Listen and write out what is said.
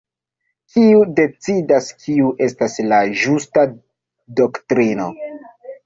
Kiu decidas kiu estas la "ĝusta" doktrino?